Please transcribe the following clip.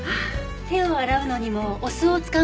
手を洗うのにもお酢を使うんですか？